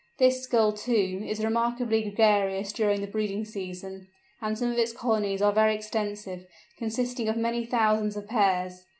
This Gull, too, is remarkably gregarious during the breeding season, and some of its colonies are very extensive, consisting of many thousands of pairs.